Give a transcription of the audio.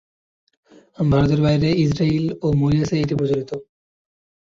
ভারতের বাইরে ইসরায়েল ও মরিশাস এ এটি প্রচলিত।